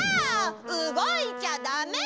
うごいちゃダメ！